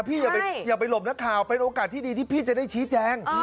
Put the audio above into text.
อย่าไปหลบนักข่าวเป็นโอกาสที่ดีที่พี่จะได้ชี้แจง